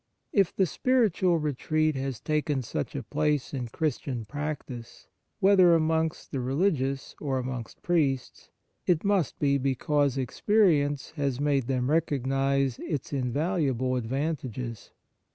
If the spiritual retreat has taken such a place in Christian practice, whether amongst the religious or amongst priests, it must be because experience has made them recognize its invaluable advantages.